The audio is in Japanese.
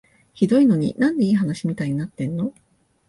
ひどいのに、なんでいい話みたいになってんの？